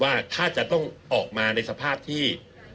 ว่าถ้าจะต้องออกมาในสภาพที่